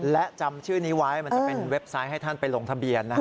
และจำชื่อนี้ไว้มันจะเป็นเว็บไซต์ให้ท่านไปลงทะเบียนนะครับ